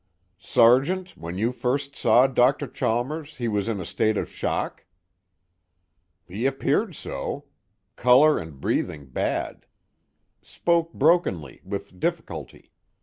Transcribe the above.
"Sergeant, when you first saw Dr. Chalmers he was in a state of shock?" "He appeared so. Color and breathing bad. Spoke brokenly, with difficulty.